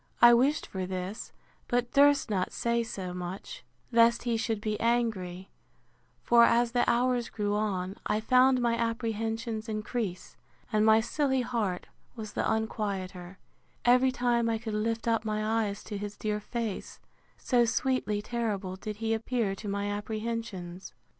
I wished for this, but durst not say so much, lest he should be angry; for, as the hours grew on, I found my apprehensions increase, and my silly heart was the unquieter, every time I could lift up my eyes to his dear face; so sweetly terrible did he appear to my apprehensions.